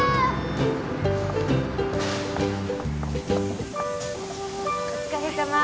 お疲れさま。